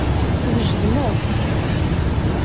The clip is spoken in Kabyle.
Twejdem akk.